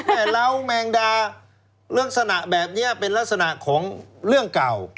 เล้าแมงดาลักษณะแบบนี้เป็นลักษณะของเรื่องเก่า